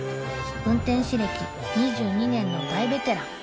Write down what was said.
運転士歴２２年の大ベテラン